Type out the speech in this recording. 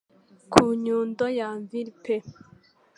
Ku nyundo ya anvil pe